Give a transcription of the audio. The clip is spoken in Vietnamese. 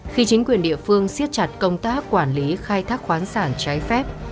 khi chính quyền địa phương siết chặt công tác quản lý khai thác khoán sản trái phép